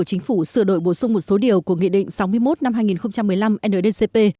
chính phủ sửa đổi bổ sung một số điều của nghị định sáu mươi một năm hai nghìn một mươi năm ndcp